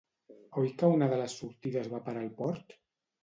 ¿Oi que una de les sortides va a parar al port?